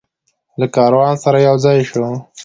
له کاروان سره یوځای شو.